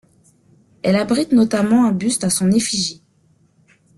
Elle abrite notamment un buste à son effigie.